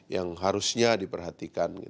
yang harusnya diperhatikan